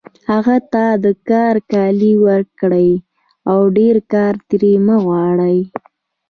هغه ته د کار کالي ورکړئ او ډېر کار ترې مه غواړئ